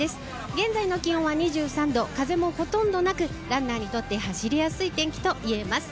現在の気温は２３度、風もほとんどなく、ランナーにとって走りやすい天気といえます。